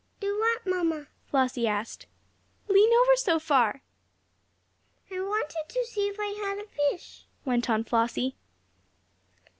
"Do what, mamma?" Flossie asked. "Lean over so far." "I wanted to see if I had a fish," went on Flossie.